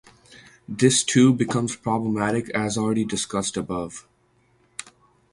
This too becomes problematic as already discussed above.